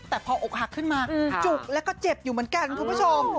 แต่พออกหักขึ้นมาจุกแล้วก็เจ็บอยู่เหมือนกันคุณผู้ชม